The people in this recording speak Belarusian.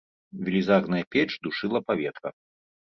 Велізарная печ душыла паветра.